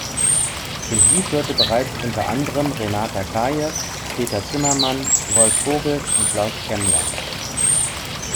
Regie führten bereits unter anderem Renata Kaye, Peter Zimmermann, Wolf Vogel und Klaus Kemmler.